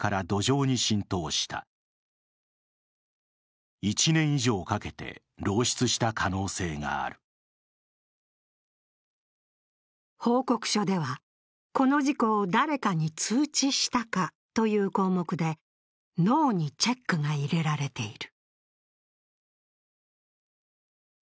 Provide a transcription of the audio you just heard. およそ８００ガロンが漏出したとある報告書では、この事故を誰かに通知したかという項目でノーにチェックが入れられている。